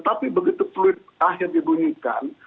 tapi begitu peluit ah yang dibunyikan